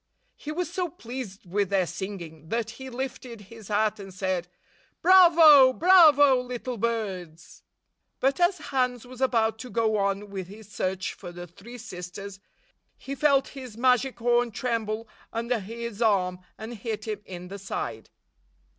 He was so pleased with their singing that he lifted his hat and said, "Bravo! Bravo, little birds !" But as Hans was about to go on with his search for the three sisters, he felt his magic horn tremble under his arm and hit him in the side.